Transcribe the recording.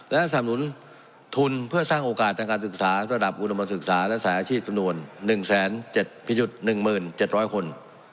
และสำนุนทุนเพื่อสร้างโอกาสทางการศึกษาระดับอุดมศึกษาและสายอาชีพจำนวน๑๗๑๗๐๐คน